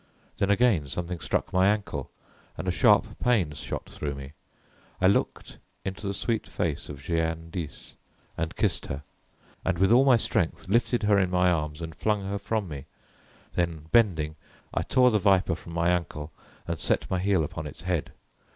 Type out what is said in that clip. Then again something struck my ankle, and a sharp pain shot through me. I looked into the sweet face of Jeanne d'Ys and kissed her, and with all my strength lifted her in my arms and flung her from me. Then bending, I tore the viper from my ankle and set my heel upon its head.